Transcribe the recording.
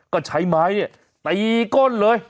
ก็ใช้ไม้เนี่ยตีก้นเลย